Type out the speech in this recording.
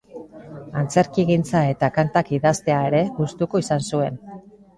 Antzerkigintza eta kantak idaztea ere gustuko izan zuen.